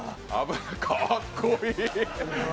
かっこいい。